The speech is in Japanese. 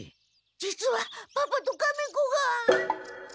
実はパパとカメ子が。